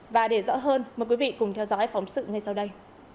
và để rõ hơn mời quý vị cùng theo dõi phóng sự ngay sau đây